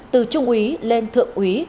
từ trung ủy lên thượng ủy